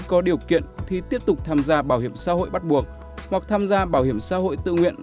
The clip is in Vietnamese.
có điều kiện thì tiếp tục tham gia bảo hiểm xã hội bắt buộc hoặc tham gia bảo hiểm xã hội tự nguyện